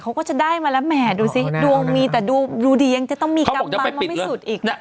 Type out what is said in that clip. ว่าจะได้มาแล้วแหมดูสิดวงมีแต่ดูดียังจะต้องมีกับมันไม่สุดอีก